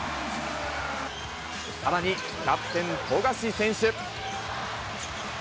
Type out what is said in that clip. さらにキャプテン、富樫選手。